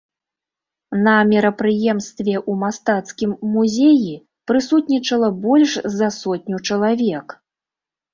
На мерапрыемстве ў мастацкім музеі прысутнічала больш за сотню чалавек.